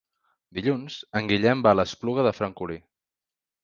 Dilluns en Guillem va a l'Espluga de Francolí.